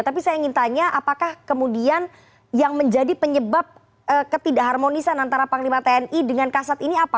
tapi saya ingin tanya apakah kemudian yang menjadi penyebab ketidakharmonisan antara panglima tni dengan kasat ini apa